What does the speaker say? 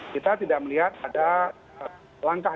kita tidak melihat ada langkah